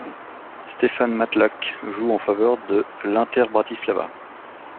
Štefan Matlák joue en faveur de l'Inter Bratislava.